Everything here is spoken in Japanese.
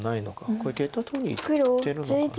これゲタ取りにいってるのかな。